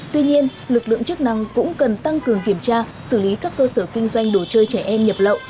tuy nhiên lực lượng chức năng cũng cần tăng cường kiểm tra xử lý các cơ sở kinh doanh đồ chơi trẻ em nhập lậu